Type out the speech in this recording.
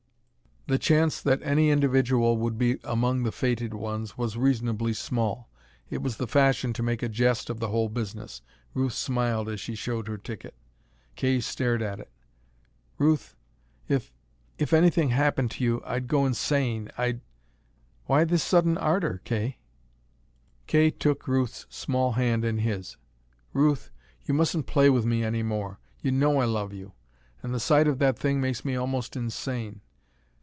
The chance that any individual would be among the fated ones was reasonably small. It was the fashion to make a jest of the whole business. Ruth smiled as she showed her ticket. Kay stared at it. "Ruth, if if anything happened to you I'd go insane. I'd " "Why this sudden ardor, Kay?" Kay took Ruth's small hand in his. "Ruth, you mustn't play with me any more. You know I love you. And the sight of that thing makes me almost insane.